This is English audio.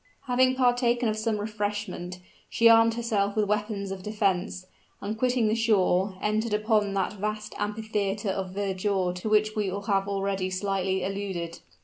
Having partaken of some refreshment, she armed herself with weapons of defense, and quitting the shore, entered upon that vast amphitheater of verdure to which we have already slightly alluded.